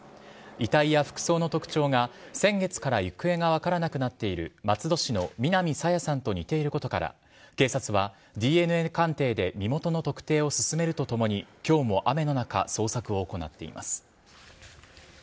遺体や服装の特徴が先月から行方が分からなくなっている松戸市の南朝芽さんと似ていることから警察はＤＮＡ鑑定で身元の特定を進めるとともに今日も雨の中捜索を行っています。